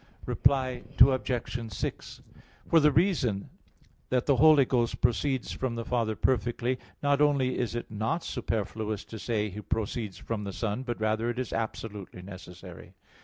Reply Obj. 6: For the reason that the Holy Ghost proceeds from the Father perfectly, not only is it not superfluous to say He proceeds from the Son, but rather it is absolutely necessary.